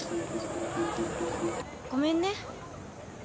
ごめんね。